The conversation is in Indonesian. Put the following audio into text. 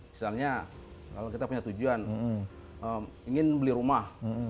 misalnya kalau kita punya tujuan ingin beli rumah